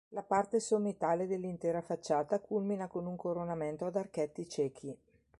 La parte sommitale dell'intera facciata culmina con un coronamento ad archetti ciechi.